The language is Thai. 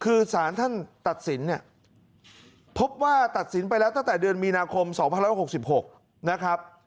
คือสารท่านตัดสินเนี่ยพบว่าตัดสินไปแล้วตั้งแต่เดือนมีนาคม๒๑๖๖นะครับ